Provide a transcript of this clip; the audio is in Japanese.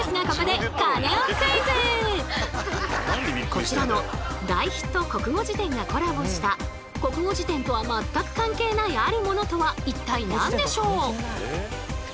ここでこちらの大ヒット国語辞典がコラボした国語辞典とは全く関係ないあるものとは一体何でしょう？